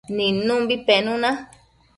nidnumbi penuna